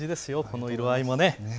この色合いもね。